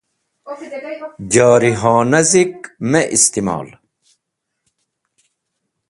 Jarihona zik me istimol.